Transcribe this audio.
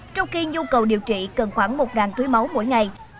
trong khi nhu cầu điều trị cần khoảng một túi máu mỗi ngày